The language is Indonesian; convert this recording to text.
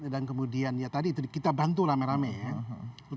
dan kemudian ya tadi kita bantu rame rame ya